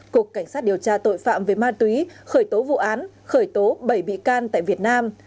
cục cảnh sát điều tra tội phạm về ma túy khởi tố vụ án khởi tố bảy bị can tại việt nam